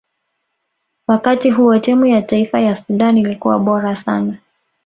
wakati huo timu ya taifa ya sudan ilikuwa bora sana